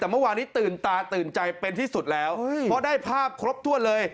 แต่เมื่อวานนี้ตื่นตาตื่นใจเป็นที่สุดแล้วเพราะได้ภาพครบถ้วนเลย